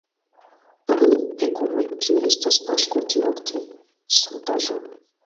Por ni, pekuloj, utile estas aŭskulti nokte sanktaĵon!